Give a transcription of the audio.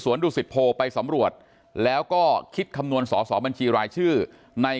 ดูสิตโพไปสำรวจแล้วก็คิดคำนวณสอสอบัญชีรายชื่อใน